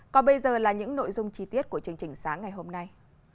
còn bây giờ là những nội dung chi tiết của chương trình sáng ngày hôm nay